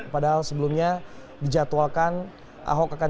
padahal sebelumnya dijadwalkan ahok akan